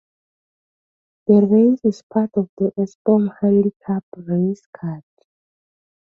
The race is part of the Epsom Handicap racecard.